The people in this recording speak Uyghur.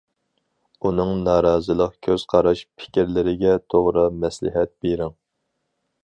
ئۇنىڭ نارازىلىق كۆز قاراش، پىكىرلىرىگە توغرا مەسلىھەت بېرىڭ.